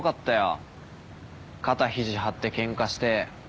肩肘張ってケンカして。